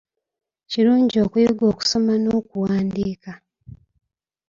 Kirungi okuyiga okusoma n’okuwandiika.